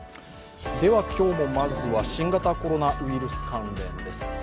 今日も、まずは新型コロナウイルス関連です。